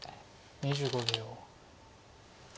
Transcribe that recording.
２５秒。